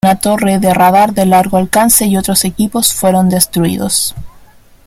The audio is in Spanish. Una torre de radar de largo alcance y otros equipos fueron destruidos.